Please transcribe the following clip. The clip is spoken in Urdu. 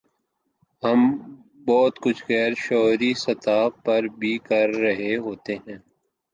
ہم بہت کچھ غیر شعوری سطح پر بھی کر رہے ہوتے ہیں۔